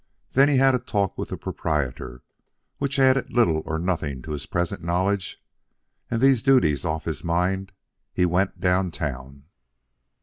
Then he had a talk with the proprietor, which added little or nothing to his present knowledge; and these duties off his mind, he went downtown.